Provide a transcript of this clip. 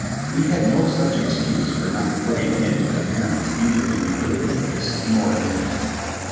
We had no such excuse for not putting in an appearance either in the earthly race nor in the other.